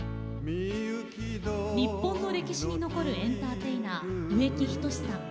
日本の歴史に残るエンターテイナー・植木等さん。